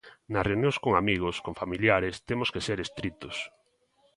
Nas reunións con amigos, con familiares, temos que ser estritos.